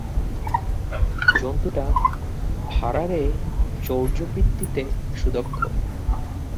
জন্তুটা ভাঁড়ারে চৌর্যবৃত্তিতে সুদক্ষ।